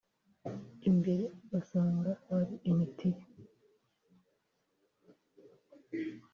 imbere ugasanga ari imitiri